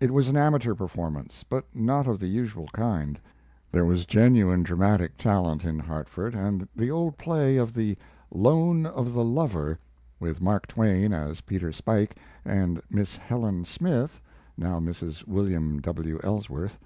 It was an amateur performance, but not of the usual kind. There was genuine dramatic talent in Hartford, and the old play of the "Loan of the Lover," with Mark Twain as Peter Spuyk and Miss Helen Smith [Now Mrs. William W. Ellsworth.